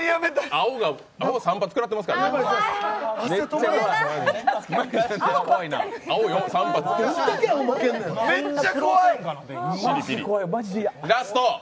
青が３発食らってますからねラスト！